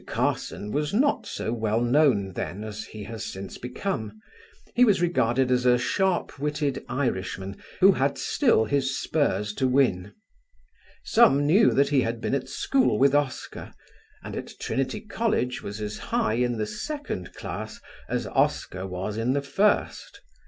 Carson was not so well known then as he has since become; he was regarded as a sharp witted Irishman who had still his spurs to win. Some knew he had been at school with Oscar, and at Trinity College was as high in the second class as Oscar was in the first.